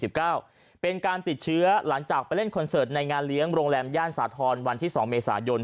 เป็นการติดเชื้อหลังจากไปเล่นคอนเสิร์ตในงานเลี้ยงโรงแรมย่านสาธรณ์วันที่๒เมษายน